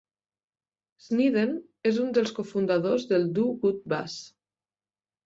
Snedden és un dels cofundadors del Do Good Bus.